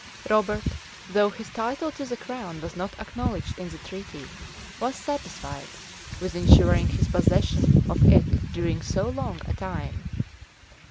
[*] Robert, though his title to the crown was not acknowledged in the treaty, was satisfied with insuring his possession of it during so long a time.